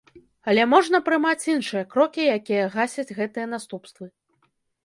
Але можна прымаць іншыя крокі, якія гасяць гэтыя наступствы.